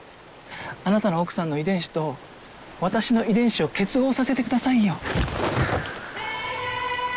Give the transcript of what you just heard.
あなたの奥さんの遺伝子と私の遺伝子を結合させてくださいよ。